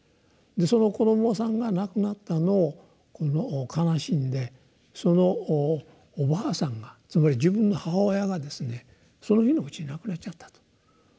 その子どもさんが亡くなったのを悲しんでそのおばあさんがつまり自分の母親がですねその日のうちに亡くなっちゃったと。